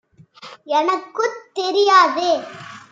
எனக்குத் தெரியாது.